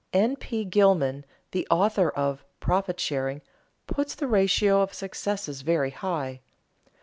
N. P. Gilman, the author of "Profit Sharing," puts the ratio of successes very high.